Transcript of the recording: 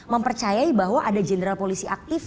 mempercayai bahwa ada jenderal polisi aktif